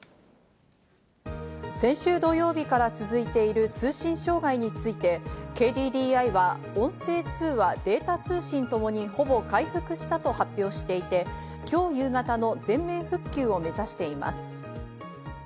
先週土曜日から続いている通信障害について、ＫＤＤＩは音声通話、データ通信ともにほぼ回復したと発表していて、今日夕方の全面復旧を目指しています。